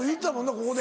ここで。